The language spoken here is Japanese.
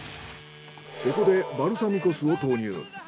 ここでバルサミコ酢を投入。